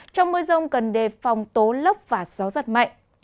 trong mưa rông cần đề phòng tố lốc và gió giật mạnh